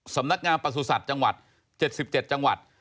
สำนักงามประสุทธิ์จังหวัด๗๗จังหวัด